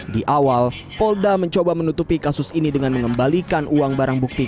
di awal polda mencoba menutupi kasus ini dengan mengembalikan uang barang bukti